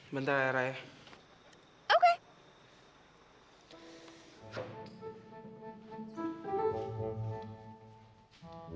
bentar ya raya